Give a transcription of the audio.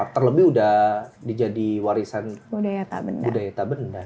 terlebih sudah dijadi warisan budaya tabenda